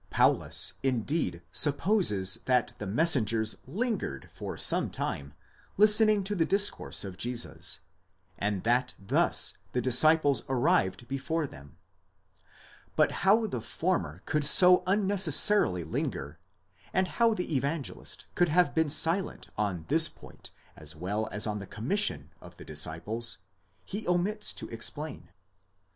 Paulus indeed sup poses that the messengers lingered for some time listening to the discourse of Jesus, and that thus the disciples arrived before them; but how the former could so unnecessarily linger, and how the Evangelist could have been silent on this point as well as on the commission of the disciples, he omits to ex plain.